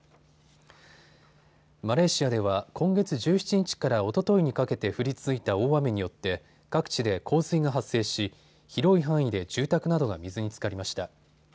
マレーシアでは今月１７日からおとといにかけて降り続いた大雨によって各地で洪水が発生し広い範囲で住宅などが水につかりました。